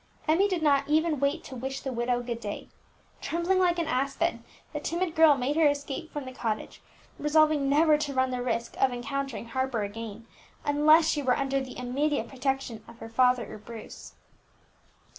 Emmie did not even wait to wish the widow good day; trembling like an aspen, the timid girl made her escape from the cottage, resolved never to run the risk of encountering Harper again, unless she were under the immediate protection of her father or Bruce.